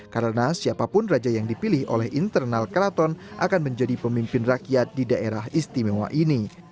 karena siapapun raja yang dipilih oleh internal keraton akan menjadi pemimpin rakyat di daerah istimewa ini